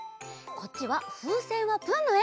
こっちは「ふうせんはプン」のえ。